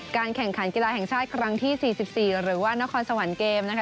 การแข่งขันกีฬาแห่งชาติกรรมที่สี่สิบสี่หรือว่านครสวรรค์เกมส์นะคะ